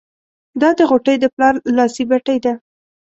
دا د غوټۍ د پلار لاسي بتۍ ده.